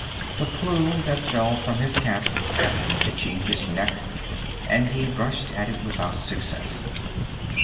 The plume that fell from his cap kept tickling his neck, and he brushed at it without success.